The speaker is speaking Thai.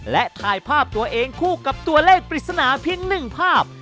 และถ่ายภาพตัวเองคู่กับตัวเลขปริศนาเพียง๑ภาพ